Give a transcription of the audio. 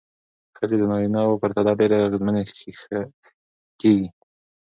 ښځې د نارینه وو پرتله ډېرې اغېزمنې کېږي.